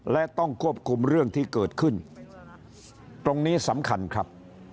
และต้องควบคุมเรื่องที่เกิดขึ้นตรงนี้สำคัญครับ